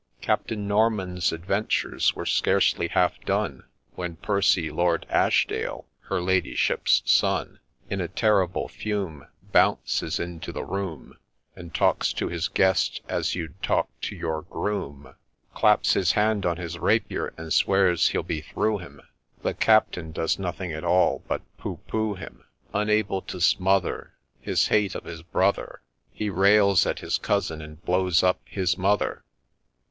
Captain Norman's adventures were scarcely half done, When Percy Lord Ashdale, her ladyship's son, In a terrible fume, Bounces into the room, And talks to his guest as you'd talk to your groom, SOME ACCOUNT OF A NEW PLAY 191 Claps his hand on his rapier, and swears he'll be through him — The Captain does nothing at all but ' pooh 1 pooh 1 ' him — Unable to smother His hate of his brother, He rails at his cousin, and blows up his mother.